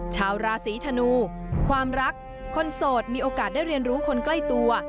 ชาวราศีธนูความรักคนโสดมีโอกาสได้เรียนรู้คนใกล้ตัว